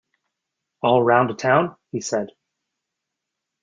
‘All round the town?’ he said.